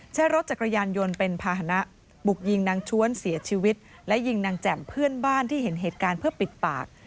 ใช้รถจักรยานยนต์เป็นภาษณะบุกยิงนางชวนเสียชีวิตและยิงนางแจ่มเพื่อนบ้านที่เห็นเหตุการณ์เพื่อปิดปาก